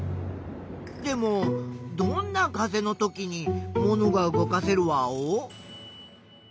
でもどんな風のときにものが動かせるワオ？